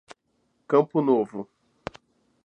Campo Novo